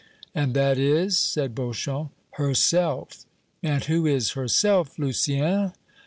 "And that is?" said Beauchamp. "Herself." "And who is herself, Lucien?"